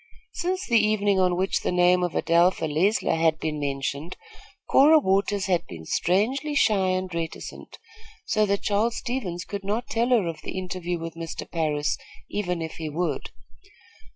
Since the evening on which the name of Adelpha Leisler had been mentioned, Cora Waters had been strangely shy and reticent, so that Charles Stevens could not tell her of the interview with Mr. Parris, even if he would.